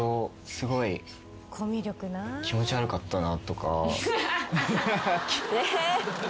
すごい気持ち悪かったなとか。